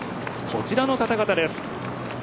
こちらの方々です。